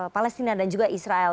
palestina dan juga israel